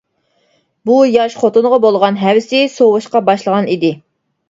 بۇ ياش خوتۇنىغا بولغان ھەۋىسى سوۋۇشقا باشلىغان ئىدى.